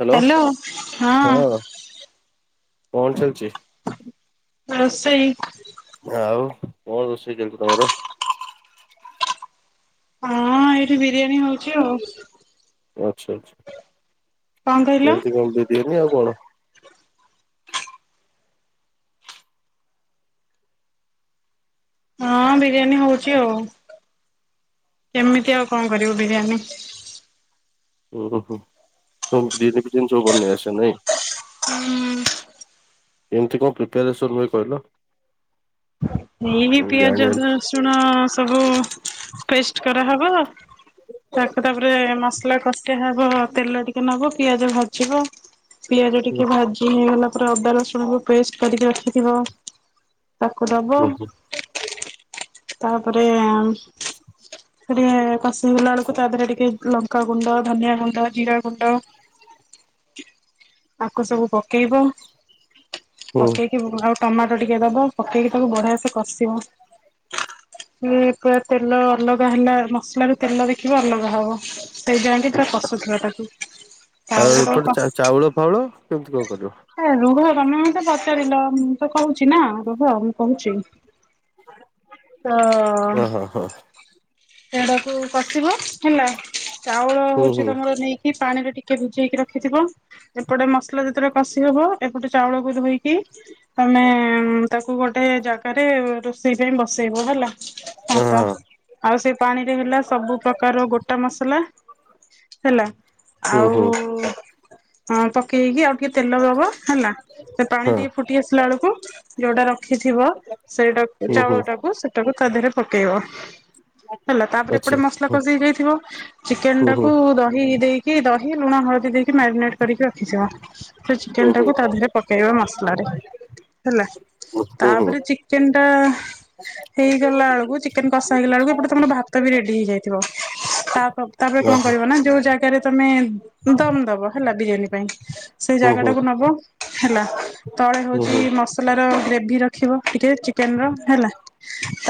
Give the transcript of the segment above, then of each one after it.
Hello ହଁ, କଣ ଚାଲିଛି? ରୋସେଇ ଆଉ କଣ ରୋଷେଇ ଚାଲିଚି ତମର? ହଁ ଏଇଠି ବିରିୟାନୀ ହଉଛି ଆଉ। ଆଚ୍ଛା ଆଚ୍ଛା କଣ କହିଲ? କେମିତି କଣ ବିରିୟାନୀ ଆଉ କଣ? ହଁ ବିରିୟାନୀ ହଉଛି ଆଉ କେମିତି ଆଉ କଣ କରିବୁ ବିରିୟାନୀ? ଓ ହୋ! ବିରିୟାନୀ ଫିରିୟାନୀ ସବୁ ବନେଇ ଆସେ ନାଇଁ? କେମିତି କଣ ପ୍ରିପ୍ୟାରେସନ୍ ହୁଏ କହିଲ? ଏଇ ମୁଁ ପିଆଜ, ଜାଣିବାକୁ ରଶୁଣ ସବୁ ପେଷ୍ଟ କରାହେବ। ତାକୁ ତାପରେ ମସଲା କସା ହବ, ତେଲ ଟିକେ ନବ ପିଆଜ ଭାଜିବ। ପିଆଜ ଟିକେ ଭାଜି ହେଇଗଲା ପରେ ଅଦା ରସୁଣକୁ ପେଷ୍ଟ କରିକି ରଖିଥିବ ତାକୁ ଦବ ହୁଁ ହୁଁ ତାପରେ ସେ ଟିକେ କଷି ହେଇଗଲା ବେଳକୁ ତା ଦେହରେ ଟିକେ ଲଙ୍କା ଗୁଣ୍ଡ, ଧନିଆ ଗୁଣ୍ଡ, ଜିରା ଗୁଣ୍ଡ ଆକୁ ସବୁ ପକେଇବ। ହୁଁ ପକେଇକି ଆଉ ଟମାଟୋ ଟିକେ ଦବ, ପକେଇକି ତାକୁ ବଢିଆ ସେ କଷିବ। ସେ ତେଲ ଅଲଗା ହେଲା ମସଲା ରୁ ତେଲ ଦେଖିବ ଅଲଗା ହବ। ସେଇ ଜାଇକେ ହୁଁ। ତା କଷୁଥିବ ତାକୁ ତାପରେ ଆଉ ଯେତେବେଳ ଏପଟେ କ ଚା ଚାଉଳ ଫାଉଳ କେମିତି କଣ କରିବ? ଏ ରୁହ ତମେ ମତେ ପଚାରିଲ ମୁଁ ତ କହୁଛି ନା ରୁହ ମୁଁ କହୁଛି। ତ ହଁ ହଁ ହଁ ସେଗୁଡାକୁ କସିବ ହେଲା। ଚାଉଳ ହୁଁ ହୁଁ ହଉଛି ତମର ନେଇକି ପାଣିରେ ଟିକେ ଭିଜେଇକି ରଖିଥିବ। ଏପଟେ ମସଲା ଯେତେବେଳେ କଷି ହବ ଏପଟେ ଚାଉଳକୁ ଧୋଇକି ତମେ ତାକୁ ଗୋଟେ ଜାଗା ରେ ରୋଷେଇ ପାଇଁ ବସେଇବ ହେଲା ହଁ ଭାତ। ହଁ ଆଉ ସେ ପାଣିରେ ହେଲା ସବୁ ପ୍ରକାରର ଗୋଟା ମସଲା ହେଲା ହୁଁ ହୁଁ ଆଉ ହଁ ପକେଇକି ଆଉ ଟିକେ ତେଲ ଦବ ହେଲା ସେ ପାଣି ହଁ ଟିକେ ଫୁଟି ଆସିଲା ବେଳକୁ ଯୋଉଟା ରଖିଥିବ ସେଇଟାକୁ ହୁଁ ହୁଁ ଚାଉଳ ଟାକୁ ସେଟାକୁ ତା ଦେହରେ ପକେଇବ। ହେଲା ତାପରେ ଆଚ୍ଛା ଏପଟେ ମସଲା କଷି ହେଇ ଯାଇଥିବ ଚିକେନ ହୁଁ ହୁଁ ଟାକୁ ଦହି ଦେଇ କି ଦହି ଲୁଣ ହଳଦୀ ଦେଇକି ମ୍ୟାରିନେଟ କରିକି ରଖିଥିବ। ସେ ହୁଁ ଚିକେନ ହୁଁ ଟାକୁ ତା ଦେହରେ ପକେଇବା ମସଲ ରେ ହେଲା ହୁଁ ହୁଁ ହୁଁ ତାପରେ ଚି ଚିକେନ ଟା ହେଇଗଲା ବେଳକୁ ଚିକେନ କଷା ହେଇଗଲା ବେଳକୁ ଏପଟେ ତମର ଭାତ ବି ରେଡି ହେଇଯାଇଥିବ ତା ତାପରେ ହୁଁ କଣ କରିବ ନା ଯୋଉ ଜାଗାରେ ତମେ ଦମ ଦବ ହେଲା ବିରିୟାନୀ ପାଇଁ। ସେଇ ହୁଁ ହୁଁ ଜାଗା ଟାକୁ ନବ ହେଲା ତଳେ ହୁଁ ହୁଁ ହଉଛି ମସଲାର ଗ୍ରେଭି ରଖିବ ଟିକେ ଚିକେନ ର ହେଲା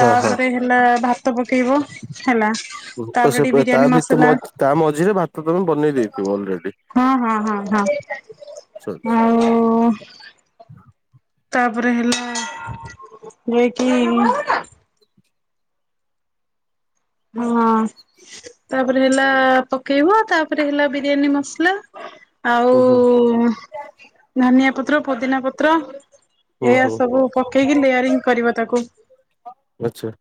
ହଁ ହଁ ହେଲା ଭାତ ପକେଇବ ହେଲା। [unintelligible] ତ ତାପରେ ଟିକେ ସେ ତା ବିରିୟାନୀ ଭିତ ମସଲା ତା ମଝିରେ ଭାତ ତମେ ବନେଇ ଦେଇଥିବ ଅଲରେଡି। ହଁ, ହଁ, ହଁ, ହୁଁ ହଁ, ଆଉ। ତପରେ ହେଲା ଓଲେଇକି ହଁ। ତାପରେ ହେଲା ପକେଇବ ତାପରେ ହେଲା ବିରିୟାନୀ ମସଲା ଆଉ ହୁଁ ଧନିଆ ପତ୍ର ପୁଦିନା ପତ୍ର ହୁଁ ଏଆ ହୁଁ ସବୁ ପକେଇକି ଲେୟାରିଙ୍ଗ କରିବ ତାକୁ। ଆଛା।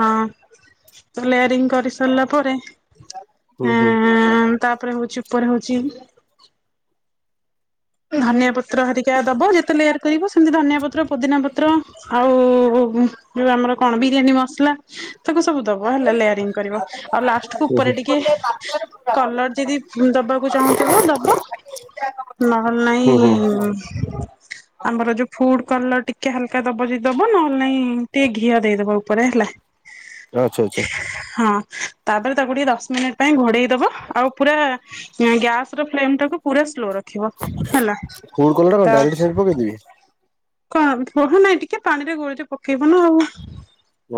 ହଁ ଲେୟାରିଙ୍ଗ କରି ସାରିଲା ପରେ ହୁଁ ଏ ହୁଁ ତାପରେ ହଉଚି ଉପରେ ହଉଚି ଧନିଆ ପତ୍ର ହରି ଟିଆ ଦବ ଯେତେ ଲେୟାର କରିବ ସେମିତି ଧନିଆ ପତ୍ର, ପୁଦିନା ପତ୍ର ଆଉ ଯଉଁ ଆମର କଣ ବିରିୟାନୀ ମସଲା ସବୁ ସବୁ ଦବ ହେଲା ଲେୟାରିଙ୍ଗ କରିବ। ଆଉ ଲାଷ୍ଟକୁ ଉପରେ ହୁଁ ହୁଁ। ଟିକେ କଲର ଯଦି ଦବାକୁ ଚାହୁଁଥିବ ଦବ। ନହେଲେ ନାହିଁ ହୁଁ ହୁଁ ଆମର ଯୋଉ ଫୁଡ କଲର ଟିକେ ହାଲକା ଦବ ଯଦି ଦବ ନହେଲେ ନାଇଁ ଟିକେ ଘିଅ ଦେଇଦବ ଉପରେ ହେଲା। ଆଚ୍ଛା ଆଚ୍ଛା ହଁ। ତାପରେ ତାକୁ ଟିକେ ଦଶ ମିନିଟ୍ ପାଇଁ ଘୋଡେଇ ଦବ ଆଉ ପୁରା ଆ ଗ୍ୟାସ ର ଫ୍ଲେମ ଟାକୁ ପୁରା ସ୍ଲୋ ରଖିବ ହେଲା ତ ମିତି ଦେବି? କଣ ପହୁ ନାଇଁ ଟିକେ ପାଣି ରେ ଗୋଳିଚ ପକେଇବ ନା ଆଉ।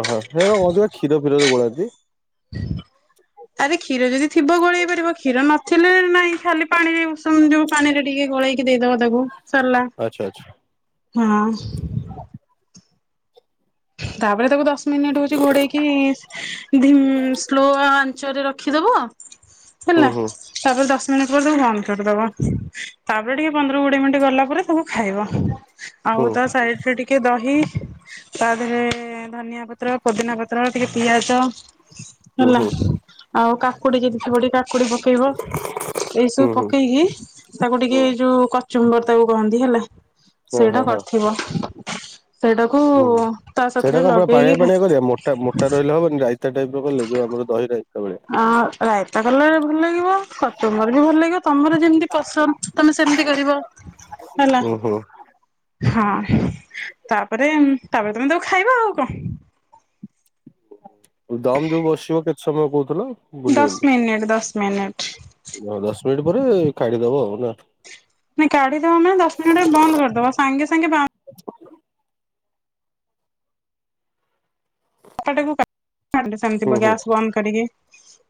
ଓହୋ ହେ ବା ଅଧିକ କ୍ଷୀର ଫୀରରେ ଗୋଳାନ୍ତି। ଆରେ କ୍ଷୀର ଯଦି ଥିବ ଗୋଳେଇ ପାରିବ କ୍ଷୀର ନଥିଲେ ନାଇଁ ଖାଲି ପାଣିରେ ଉଷୁମ ଯୋଉ ପାଣିରେ ଟିକେ ଗୋଳେଇକି ଦେଇଦବ ତାକୁ ସରିଲା। ଆଚ୍ଛା ଆଚଛା। ହଁ। ତାପରେ ତାକୁ ଦଶ ମିନିଟ ହଉଚି ଘୋଡେଇକି ଉଁ ଧୀମ ସ୍ଲୋ ଆଞ୍ଚରେ ରଖିଦବ। ହୁଁ ହେଲା। ହୁଁ ତାପରେ ଦଶ ମିନିଟ୍ ପରେ ତାକୁ ବନ୍ଦ କରିଦବ। ତାପରେ ଟିକେ ପନ୍ଦର କୋଡିଏ ମିନିଟ୍ ଗଲା ପରେ ତାକୁ ଖାଇବ। ହୁଁ ଆଉ ତା ସାଇଡ ରେ ଟିକେ ଦହି ତା ଦିହରେ ଧନିଆ ପତ୍ର, ପୋଦିନା ପତ୍ର ଟିକେ ପିଆଜ ହୁଁ ହେଲା। ହୁଁ ଆଉ କାକୁଡି ଯଦି ଥିବ ଟିକେ କାକୁଡି ପକେଇବ। ଏଇ ସବୁ ହୁଁ ହୁଁ ପକେଇକି ତାକୁ ହୁଁ ଟିକେ ଯୋଉ କଚୁମ୍ବର ତାକୁ କହନ୍ତି ହେଲା। ହଁ ସେଇଟା ହଁ କରିଥିବ ସେଇଟାକୁ ହଁ ହୁଁ ତା ସେଇଟା ସାଥିରେ କଣ ପୁରା ପାଣିଆ ଲଗେଇକି ପାଣିଆ କରିବ? ମୋଟା ମୋଟା ରହିଲେ ହବନି ରାଇତା ଟାଇପ ର କଲେ ଯୋଉ ଆମର ଦହି ରାଇତା ବଳିଆ। ଅ ରାୟତା କଲେ ଭଲ ଲାଗିବ। କଚୁମ୍ବର୍ ବି ଭଲ ଲାଗିବ। ତମର ଯେମିତି ପସନ୍ଦ ତମେ ସେମିତି କରିବ ହେଲା। ହୁଁ ହୁଁ ହଁ ତାପରେ ତାପରେ ତମେ ତାକୁ ଖାଇବ ଆଉ କଣ। ଦମ ଯୋଉ ବସିବ କେତେ ସମୟ କହୁଥିଲ? ଦଶ ମିନିଟ ଦଶ ମିନିଟ। ହ ଦଶ ମିନିଟ୍ ପରେ କାଢ଼ି ଦବ ଆଉ ନା? ନାଇଁ କାଢିଦବ ମାନେ ଦଶ ମିନିଟରେ ବନ୍ଦ କରିଦବ ସାଙ୍ଗେ ସାଙ୍ଗେ ବାହ କଟା [unintelligible] ହୁଁ ହୁଁ ଗ୍ୟାସ୍ ବନ୍ଦ କରିକି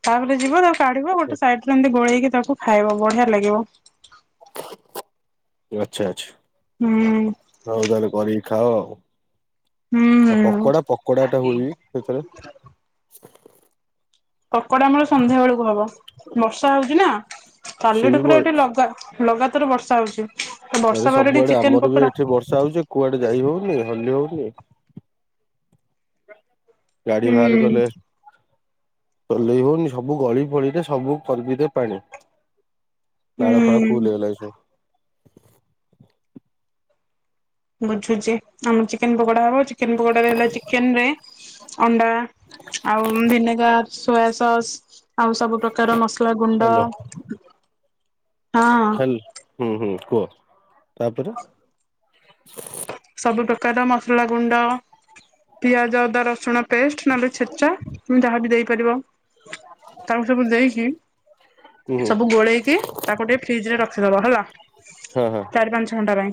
ତାପରେ ଯିବ ତା କାଢିବ ଗୋଟେ ସାଇଡରେ ଏମତି ଗୋଳେଇକି ତାକୁ ଖାଇବ ବଢିଆ ଲାଗିବ। ଆଚଛା ଆଚଛା। ହୁଁ। ହଉ ତାହେଲେ କରିକି ଖାଅ ଆଉ। ହୁଁ ଆଉ ହୁଁ। ପକୋଡା ପକୋଡା ଟା ହୁଏବି ସେଥିରେ କକଡାମୂଳ ସନ୍ଧ୍ୟା ବେଳକୁ ହବ ବର୍ଷା ହଉଛି ନା କାଲି ସିଏ ଠୁ ବି ଏଠି ବ ପୁରା ଲଗା ଲଗାତାର ବର୍ଷା ହେଉଛି। ଆରେ ସବୁଆଡେ ଆମର ବି ଏଠି ବର୍ଷା ହଉଛି କୁଆଡେ ଯାଇ ହଉନି ହଲି ହଉନି। ଗାଡି ହୁଁ ବାହାର କଲେ ଚଲେଇ ହଉନି ସବୁ ଗଳି ଫଳିରେ ସବୁ ପର୍ବିରେ ପାଣି। ହୁଁ। ଡାଳ ଫାଳ ଫୁଲ ହେଇଗଲାଣି ସବୁ। ବୁଝୁଛି, ଆମ ଚିକେନ ପକୋଡା ହବ, ଚିକେନ ପକୋଡାରେ ହେଲା, ଚିକେନ ରେ ଅଣ୍ଡା। ଆଉ ଉମ୍ ଭିନେଗାର, ସୋୟା ସସ୍। ଆଉ, ସବୁ ପ୍ରକାର ମସଲା ଗୁଣ୍ଡ। ହ୍ୟାଲୋ ହଁ ଖାଲ୍ ହୁଁ-ହୁଁ କୁହ ତାପରେ ସବୁ ପ୍ରକାର ମସଲା ଗୁଣ୍ଡ, ପିଆଜ, ଅଦା, ରସୁଣ ପେଷ୍ଟ ନହେଲେ ଛେଚା। ହୁଁ ଯାହା ବି ଦେଇପାରିବ ତାଉ ସବୁ ଦେଇକି ହୁଁ ହୁଁ ସବୁ ଗୋଳେଇକି ତାକୁ ଟିକେ ଫ୍ରିଜ ରେ ରଖିଦବ, ହେଲା ଚାରି ପାଞ୍ଚ ଘଣ୍ଟା ପାଇଁ।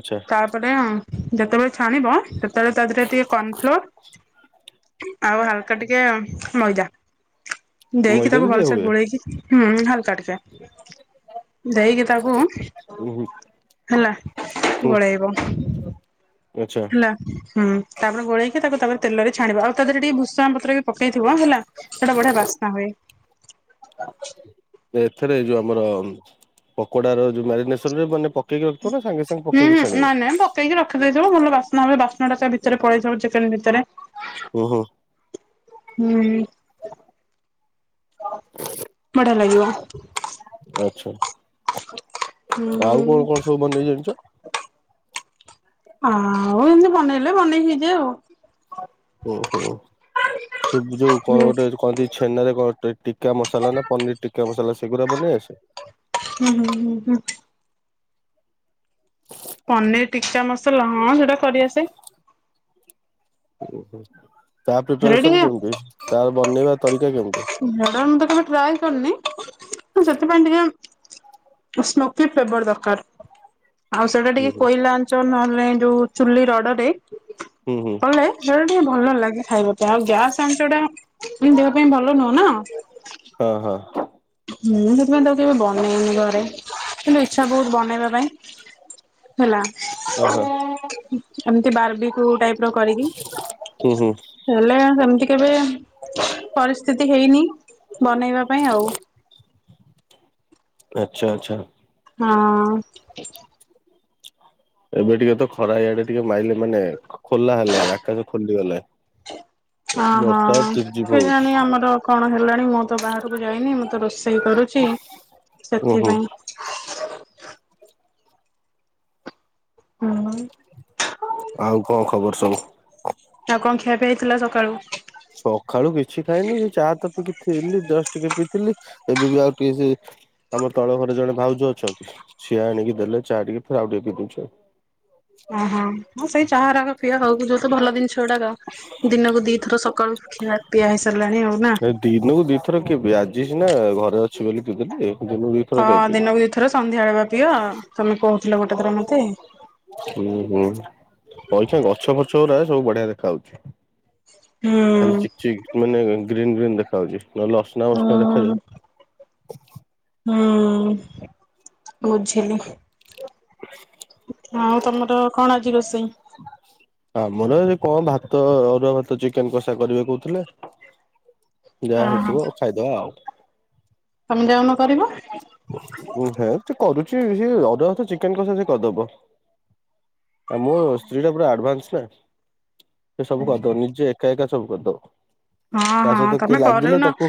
ଆଛା। ତାପରେ ଉମ ଯେତେବେଳେ ଛାଣିବ, ସେତେବେଳେ ତା ଦେହରେ ଟିକେ କର୍ଣ ଫ୍ଲୋର ଆଉ ହାଲକା ଟିକେ ଉମ୍ ମଇଦା। ଦେଇକି ମଇଦା ତାକୁ ବି ଦିଆ ଭଲସେ ହୁଏ ଗୋଳେଇକି, ହୁଁ ହାଲକା ଟିକେ। ଦେଇକି ତାକୁ, ଉଁ ହୁଁ ହୁଁ ହେଲା ହୁଁ ଗୋଳେଇବ। ଆଚ୍ଛା। ତା ହୁଁ ତାପରେ ଗୋଳେଇକି ତାକୁ, ତାପରେ ତେଲରେ ଛାଣିବା, ଆଉ ତା ଦେହରେ ଟିକେ ଭୁଷଣ ପତ୍ର ବି ପକେଇଥିବ ଅ ହେଲା। ସେଟା ବଢିଆ ବାସ୍ନା ହୁଏ। [inaudible] ଏଥରେ ଯୋଉ ଆମର ପକୋଡ ର ଯୋଉ ମ୍ୟାରିନେସନରେ, ମାନେ ପକେଇକି ରଖିବ ନା, ସାଙ୍ଗେ ସାଙ୍ଗେ ହୁଁ ପକେଇକି ହୁଁ ଛାଣିବ? ନା ନଁ ମ୍ କ। ପ୍ରିଜ୍ ରେ ରଖିଦେଇଥିବ ଭଲ ବାସ୍ନା ହୁଏ, ବାସ୍ନା ଟା ସେ ଭିତରେ ପଳେଇଥିବ ଚିକେନ ଭିତରେ। ଓହୋ। ହୁଁ ବଢିଆ ଲାଗିବ। ଆଚ୍ଛା। ହୁଁ ଆଉ କଣ, କଣ ସବୁ ବନେଇ ଜାଣିଛ। ଆଆଉଉ ଏମିତି ବନେଇଲେ, ବନେଇ ହେଇ ଯାଏ ଆଉ। ଉମ ହୁଁ। ସେ ଯୋଉ କଣ ହୁଁ ଗୋଟେ କହନ୍ତି, ଛେନାରେ କଣ ଟି ଟିକା ମସଲା ନା ପନିର୍ ଟିକା ମସଲା, ସେଗୁଡାକ ବନେଇ ଆସେ। ହୁଁ ହୁଁ ହୁଁ। ଟିକା ମସଲା ହଁ ସେଇଟା ସରିଆସେ। ଓହୋ ତା ହେରା ପ୍ରିପାରେସନ ଟିକେ କେମିତି, ତାର ବନେଇବା ତରିକା କେମିତି? ସାଧାରଣତଃ ତ କେବେ ଟ୍ରାଏ କରିନି, ଉ ସେଥିପାଇଁ ଟିକେ ସ୍ମୋକି ଫେବର ଦରକାର। ଆଉ ସେଇଟା ହୁଁ ଟିକେ ହୁଁ କୋଇଲା ଆଞ୍ଚ, ନହଲେ ଯୋଉ ଚୁଲି ରଢ଼ ରେ ହୁଁ ହୁଁ କଲେ ସେଇଟା ଟିକେ ଭଲ ଲାଗେ, ଖାଇବା ପାଇଁ ଆଉ ଗ୍ୟାସ୍ ଆଞ୍ଚ ଟା ଦେହ ପାଇଁ ଭଲ ନୁହଁ ନା। ହ ହଁ। ମୁଁ ସେଥିପାଇଁ ତାକୁ କେବେ ବନେଇନି ଘରେ, କିନ୍ତୁ ଇଚ୍ଛା ବହୁତ୍ ବନେଇବା ପାଇଁ। ହେଲା, ହଁ ହଁ ଏମିତି ବାରବି କୋଉ ଟାଇପ୍ ର କରିକି ହୁଁ ହୁଁ ହେଲେ, ସେମିତି କି କେବେ ମ ପରିସ୍ଥିତି ହେଇନି ବନେଇବା ପାଇଁ ଆଉ। ଆଛା ଆଛା। ହଁ। ଏବେ ଟିକେ ତ ଖରା ଇଆଡେ ଟିକେ ମାଇଲେ ମାନେ ଖୋଲା ହେଲାଇ ଆକାଶ ଖୋଲିଗଲା। ହଁ ହଁ। ଝିପ୍ ହଉଛି। କେଜାଣି ଆମର କଣ ହେଲାଣି ମୁଁ ତ ବାହାରକୁ ଯାଇନି ମୁଁ ତ ରୋଷେଇ କରୁଚି ଉୁଁ ହୁଁ ସେଥିପାଇଁ। ହୁଁ। ଆଉ କଣ ଖବର ସବୁ? ଆଉ କଣ ଖିଆ ପିଆ ହେଇଥିଲା ସକାଳୁ? ସକାଳୁ କିଛି ଖାଇନି ଏଇ ଚା ତ ପିଇକି ଥିଲି ଜଷ୍ଟ ଟିକେ ପିଇଥିଲି ଏବେ ବି ଆଉ ଟିକେ ସେ ଆମ ତଳ ଘରେ ଜଣେ ଭାଉଜ ଅଛନ୍ତି ସେ ଆଣିକି ଦେଲେ ଚା ଟିକେ ଫେର ଆଉ ଟିକେ ପିଇ ଦଉଚି ଆଉ। ଅଁ ହଁ। ହଁ ସେଇ ଚାହା ରାକ ପିଆ ଆଉ ଯୋଉ ତ ଭଲ ଦିନସ ଗୁଡାକ ଦିନକୁ ଦି ଥର ସକାଳୁ ଖିଆପିଆ ହେଇ ସାରିଲାଣି ଆଉ ନା? ଦିନକୁ ଦିଇଥର କିଏ ପିଏ? ଆଜି ସିନା ଘରେ ଅଛି ବୋଲି ପି ଦେଲି। ଦିନକୁ ଦିଥର ହଁ କାଇଁ ପିଇବି। ଦିନ କୁ ଦିଥର ସନ୍ଧ୍ୟାବେଳ ବା ପିଅ। ତମେ କହୁଥିଲ ଗୋଟେ ଥର ମତେ। ହୁଁ ହୁଁ। କଇଛ ଗଛ ଫଛ ଗୁରା ସବୁ ବଢିଆ ଦେଖା ହଉଚି। ହୁଁ ଖାଲି ଚିକ ଚିକ ମାନେ ଗ୍ରୀନ୍ ଗ୍ରୀନ୍ ଦେଖାଯାଉଚି। ନହଲେ ଅସ୍ [unintelligible] ଦେଖାଯାଏ। ହୁଁ ହୁଁ ବୁଝିଲି। ହଉ ତମର କଣ ଆଜି ରୋଷେଇ? ଆମର କଣ ଭାତ ଅରୁଆ ଭାତ ଚିକେନ କଷା କରିବେ କହୁଥିଲେ। ଯାହା ଓହୋ ହେଇଥିବ ଖାଇଦବା ଆଉ। ତମେ ଯାଉନ କରିବ। ହେ ସେ କରୁଚି। ସେ ଅରୁଆ ଭାତ ଚିକେନ କଷା ସେ କରିଦବ। ଆ ମୋ ସ୍ତ୍ରୀ ଟା ପୁରା ଆଡଭାନ୍ସ ନା। ସେ ସବୁ କରିଦବ ନିଜେ ଏକା ଏକା ସବୁ କରିଦବ। ହଁ ତା ହଁ ସହିତ କିଏ ତମେ ଲାଗିଲେ କରୁନ ତାକୁ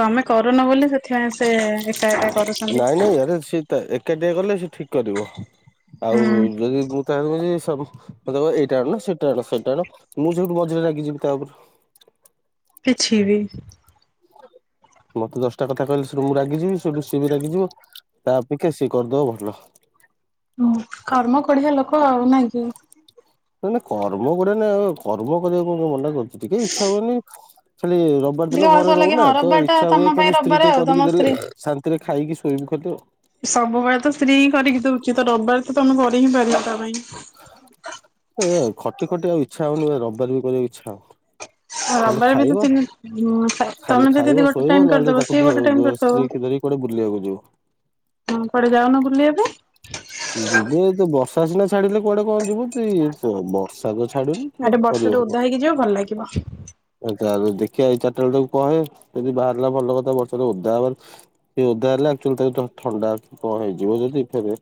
ତମେ କରୁନ ବୋଲି ସେଥିପାଇଁ ସେ ଏକ ଏକା କରୁଛନ୍ତି। ନାଇଁ ନାଇଁ ଆରେ ସେ ତ ଏକାଟିଆକ ଗଲେ ସେ ତ୍ ଠିକ କରିବ। ଆଉ ହୁଁ ଯଦି ମୁଁ ତା [unintelligible] ସ ମତେ କଇବ ଏଇଟା ଆଣୁନ ସେ ଏଟା ଆଣ ସେଟା ଆଣ। ମୁଁ ସେଇଠୁ ମଝିରେ ରାଗିଯିବି ତା ଉପରୁ। କିଛି ବି। ମତେ ଦଶଟା କଥା କହିଲେ ସେଠୁ ମୁଁ ରାଗିଯିବି। ସେଠୁ ସିଏ ବି ରାଗିଯିବ। ତା ଅପକ୍ଷେ ସିଏ କରିଦବ ଭଲ। ହୁଁ। କର୍ମ ଖୋଡିଆ ଲୋକ ଆଉ ନାଇଁ କି? ନା ନା କର୍ମ କରେନି ଆଉ। କର୍ମ କରିବାକୁ ମୁଁ ମନା କରୁଚି ଟିକେ ଇଚ୍ଛା ହୁଏନି ଖାଲି ର ବିବାର ଟିକେ ଦିନ ଘରେ ଅଳସୁଆ ଲାଗେ ରହୁନା। ହଁ ତ ରବିବାର ଟା ଇଚ୍ଛା ତମ ହୁଏ ପାଇଁ କେମିତି ସ୍ତ୍ରୀ ରବିବାର ଟିକେ ଆଉ ତମ କରିକି ଦେଲେ ସ୍ତ୍ରୀ ଶାନ୍ତିରେ ଖାଇକି ଶୋଇବୁ ଖାଲି ଆଉ। ସବୁବେଳେ ତ ସ୍ତ୍ରୀ ହିଁ କରିକି ଦଉଛି। ତ ରବିବାର ତମେ କରି ହିଁ ପାରିବ ତା ପାଇଁ। ଏ ଖଟି ଖଟି ଆଉ ଇଚ୍ଛା ହଉନି ରବିବାର ବି କରିବାକୁ ଇଚ୍ଛା ହଉନି। ଖାଲି ରବିବାର ବି ତ ଖାଇବ ତିନି ତମେ ଖାଲି ଯଦି ଖାଇବ ଗୋଟେ ଶୋଇବ ଟାଇମ ନହେଲେ କରିଦବ ତାକୁ ସିଏ ଧ ଗୋଟେ ଟାଇମ ବ କରିଦବ। ସ୍ତ୍ରୀ କି ଧରି କୁଆଡେ ବୁଲିବାକୁ ଯିବ। ହଁ କୁଆଡେ ଯାଉନ ବୁଲିବା ପାଇଁ? ଯିବୁ ତ ବର୍ଷା ସିନା ଛାଡିଲେ କୁଆଡେ କଣ ଯିବୁ? ତୁଇ ବର୍ଷାତ ଛାଡୁନି। ତୁ ତାଠୁ ବର୍ଷାରେ କରିବୁ ଓଦା ହେଇକି ଯିବ ଭଲ ଲାଗିବ। ଦେଖିବା ଏଇ ଚାରିଟା ବେଳେ ତାକୁ କହେ ଯଦି ବାହାରିଲା ଭଲ କଥା ବର୍ଷାରେ ଓଦା ହେବାର ସେ ଓଦା ହେଲା, ଆକଚୋଲି ତାକୁ ଥଣ୍ଡା କଣ ହେଇଯିବ ଯଦି ଫେର୍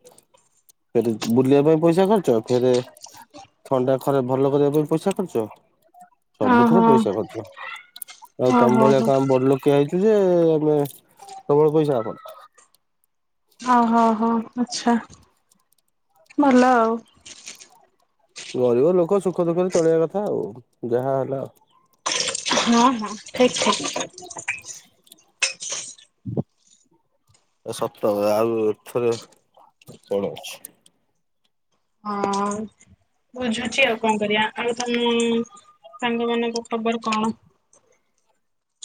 ସେଠି ବୁଲିବା ପାଇଁ ପଇସା ଖର୍ଚ୍ଚ। ଫେର ଥଣ୍ଡା ଖରାପ ଭଲ କରିବା ପାଇଁ ପଇସା ଖର୍ଚ୍ଚ। ସବୁଥିରେ ଓହୋ ପଇସା ଖର୍ଚ୍ଚ। ଆଉ ତମ ଓହୋ ଭଳିଆ ହୋ ଆମେ ବଡ ଲୋକ- ଯାଇଥିଲି ଯେ ଆମେ ପ୍ରବଳ ପଇସା ଆପଣ ହଁ, ହଁ, ହଁ ଆଚ୍ଛା ଭଲ ଆଉ। ଗରିବ ଲୋକ ସୁଖ ଦୁଃଖରେ ଚଳିବା କଥା ଆଉ। ଯାହା ହେଲା ଆଉ। ହଁ, ହଁ, ଠିକ ଠିକ। ଏ ସତ କଥା। ଆଉ ଏଥରେ କଣ ଅଛି? ହଁ। ବୁଝୁଛି ଆଉ କଣ କରିବା? ଆଉ ତମ ସାଙ୍ଗ ମାନଙ୍କ ଖବର କଣ?